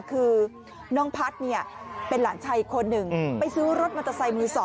คือน้องพัฒน์เป็นหลานชายอีกคนหนึ่งไปซื้อรถมอเตอร์ไซค์มือ๒